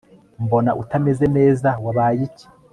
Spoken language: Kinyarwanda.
mbona utameze neza wabaye iki